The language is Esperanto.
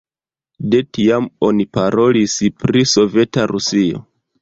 De tiam oni parolis pri Soveta Rusio.